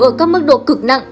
và nếu ở các mức độ cực nặng